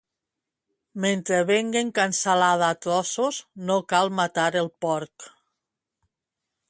Mentre venguen cansalada a trossos, no cal matar el porc.